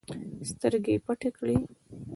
سترګې يې پټې کړې.